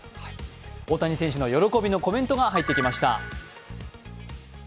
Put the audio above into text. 大谷選手の喜びのコメントが入ってきました。